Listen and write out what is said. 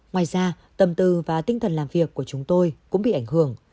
ngoài ra tâm tư và tinh thần làm việc của chúng tôi cũng bị ảnh hưởng